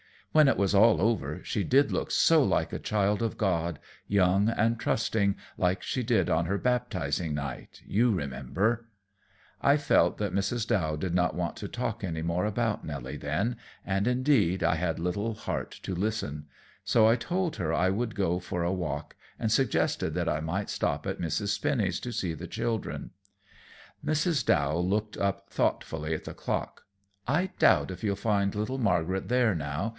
When it was all over, she did look so like a child of God, young and trusting, like she did on her baptizing night, you remember?" I felt that Mrs. Dow did not want to talk any more about Nelly then, and, indeed, I had little heart to listen; so I told her I would go for a walk, and suggested that I might stop at Mrs. Spinny's to see the children. Mrs. Dow looked up thoughtfully at the clock. "I doubt if you'll find little Margaret there now.